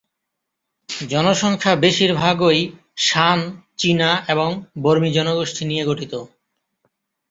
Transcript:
জনসংখ্যা বেশিরভাগই শান, চীনা এবং বর্মী জনগোষ্ঠী নিয়ে গঠিত।